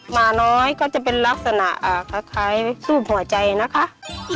หมาน้อยก็จะเป็นลักษณะคล้ายซูบหัวใจนะคะ